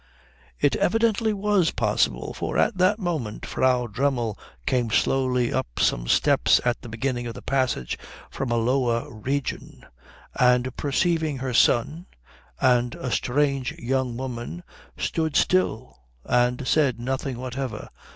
It evidently was possible, for at that moment Frau Dremmel came slowly up some steps at the end of the passage from a lower region, and perceiving her son and a strange young woman stood still and said nothing whatever.